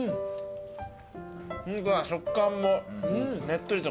食感もねっとりと。